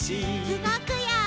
うごくよ！